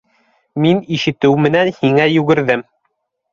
Мин ишетеү менән һиңә йүгерҙем!